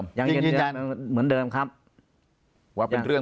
ปากกับภาคภูมิ